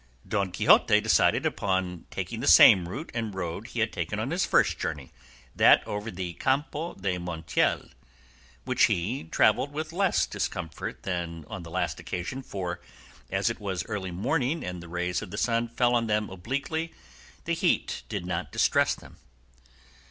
Don Quixote decided upon taking the same route and road he had taken on his first journey, that over the Campo de Montiel, which he travelled with less discomfort than on the last occasion, for, as it was early morning and the rays of the sun fell on them obliquely, the heat did not distress them.